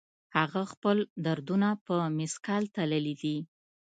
هغه خپل دردونه په مثقال تللي دي